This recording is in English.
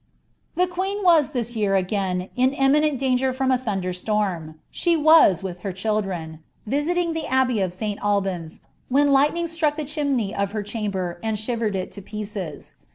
The queen was this year, again, in imminent danger from a thunder storm ; she was, with her children, visiting the abbey of St. Alban's, when lightning struck the chimney of her chamber and shivered it to pieces.